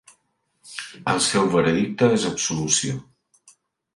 El seu veredicte és absolució.